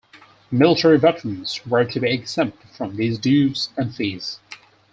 Military veterans were to be exempt from these dues and fees.